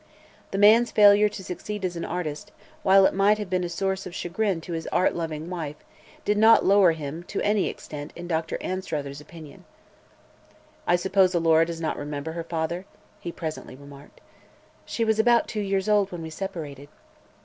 The man's failure to succeed as an artist, while it might have been a source of chagrin to his art loving wife, did not lower him to any extent in Dr. Anstruther's opinion. "I suppose Alora does not remember her father?" he presently remarked. "She was about two years old when we separated."